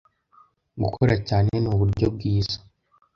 Gukora cyane ni uburyo bwiza